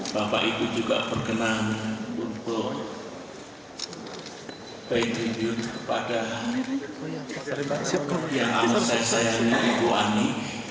bapak ibu juga berkenan untuk pay tribute kepada yang amat saya sayangi ibu ani